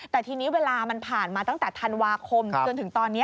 แต่ทีนี้เวลามันผ่านมาตั้งแต่ธันวาคมจนถึงตอนนี้